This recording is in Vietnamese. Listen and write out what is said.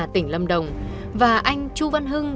tỉnh lâm đồng và anh chu văn hưng